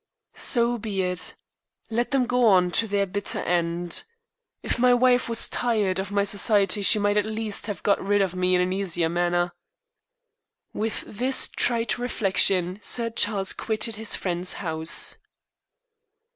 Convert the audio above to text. "So be it. Let them go on to their bitter end. If my wife was tired of my society she might at least have got rid of me in an easier manner." With this trite reflection Sir Charles quitted his friend's house.